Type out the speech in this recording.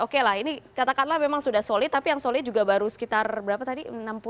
oke lah ini katakanlah memang sudah solid tapi yang solid juga baru sekitar berapa tadi